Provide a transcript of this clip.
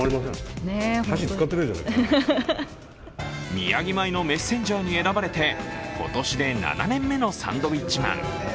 宮城米のメッセンジャーに選ばれて今年で７年目のサンドウィッチマン。